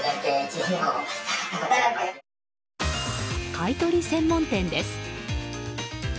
買い取り専門店です。